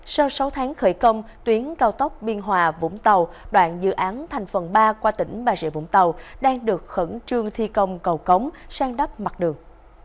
sau sáu tháng khởi công tuyến cao tốc biên hòa vũng tàu đoạn dự án thành phần ba qua tỉnh bà rịa vũng tàu đang được khẩn trương thi công cầu cống sang đắp mặt đường